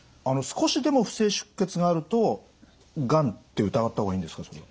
少しでも不正出血があるとがんって疑った方がいいんでしょうか？